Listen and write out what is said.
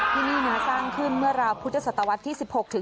ที่นี่สร้างขึ้นเมื่อราวพุทธศตวรรษที่๑๖ถึง